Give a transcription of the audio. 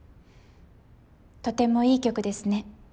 とてもいい曲ですね